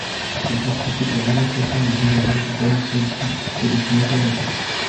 Il participe à l'arrestation du général von Choltitz et de son état-major.